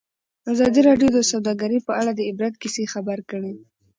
ازادي راډیو د سوداګري په اړه د عبرت کیسې خبر کړي.